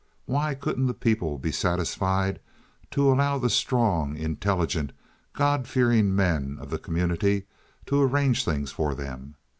Why couldn't the people be satisfied to allow the strong, intelligent, God fearing men of the community to arrange things for them?